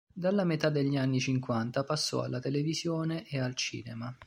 Dalla metà degli anni cinquanta passò alla televisione e al cinema.